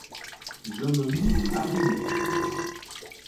Je me mis à rire.